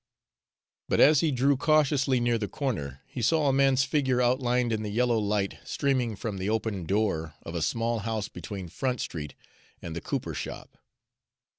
But as he drew cautiously near the corner, he saw a man's figure outlined in the yellow light streaming from the open door of a small house between Front Street and the cooper shop.